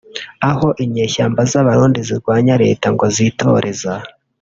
aho inyeshyamba z’abarundi zirwanya Leta ngo zitoreza